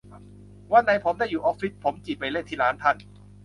วันไหนผมได้อยู่ออฟฟิศผมจิไปเล่นที่ร้านท่าน